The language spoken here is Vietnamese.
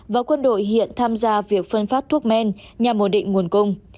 và quân đội hiện tham gia việc phân phát thuốc men nhằm ổn định nguồn cung